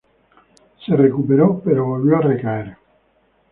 Se recuperó pero volvió a recaer.